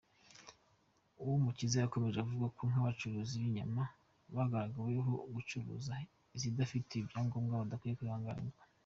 Uwumukiza yakomeje avuga ko nk’abacuruzi b’inyama bagaragaweho gucuruza izidafitiwe ibyangombwa badakwiye kwihanganirwa.